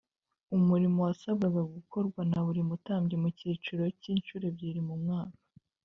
umurimo wasabwaga gukorwa na buri mutambyi mu cyiciro cye inshuro ebyiri mu mwaka